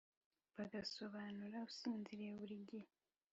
bagasobanura usinziriye buri gihe